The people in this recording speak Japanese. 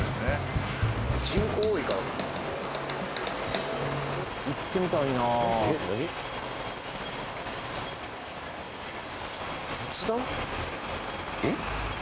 人口多いからかな行ってみたいなえっ？